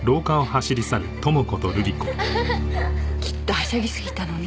きっとはしゃぎすぎたのね。